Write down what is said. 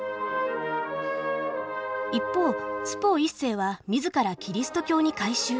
一方ツポウ１世は自らキリスト教に改宗。